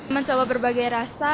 mencoba berbagai rasa